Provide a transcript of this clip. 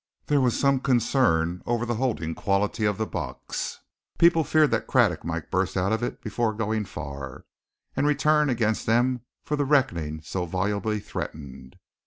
There was some concern over the holding quality of the box. People feared Craddock might burst out of it before going far, and return against them for the reckoning so volubly threatened.